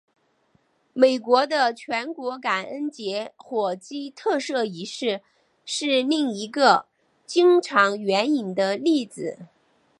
美国的全国感恩节火鸡特赦仪式是另一个经常援引的例子。